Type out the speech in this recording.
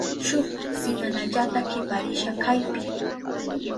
Shuk simanallata kiparisha kaypi.